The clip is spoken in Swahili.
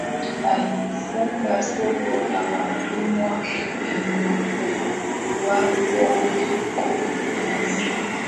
Alifunga soko la Watumwa lililokuwapo Mkunazini